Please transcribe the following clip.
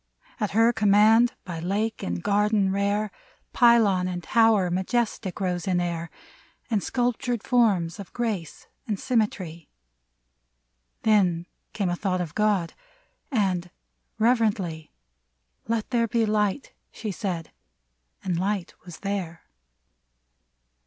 At her command, by lake and garden rare, Pylon and tower majestic rose in air. And sculptured forms of grace and symmetry. Then came a thought of God, and, reverently, —" Let there be Light !" she said ; and Light was there.